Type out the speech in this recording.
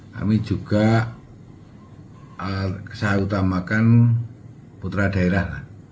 kami juga saya utamakan putra daerah